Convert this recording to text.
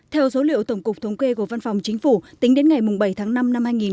theo số liệu tổng cục thống quê của văn phòng chính phủ tính đến ngày bảy tháng năm năm hai nghìn hai mươi